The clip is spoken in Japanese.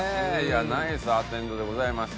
ナイスアテンドでございました。